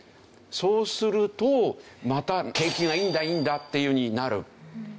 そうするとまた景気がいいんだいいんだっていうふうになる。